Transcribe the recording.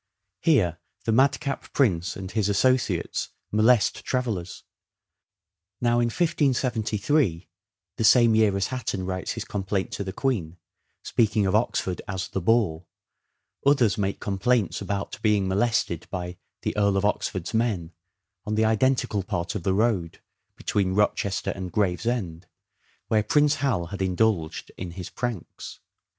Here the madcap Prince and his associates molest travellers. Now in 1573, the same year as Hatton writes his complaint to the Queen, speaking of Oxford as the " boar," others make complaints about being molested by the " Earl of Oxford's men " on the identical part of the road —" between Rochester and Gravesend "— where Prince Hal had indulged in his pranks.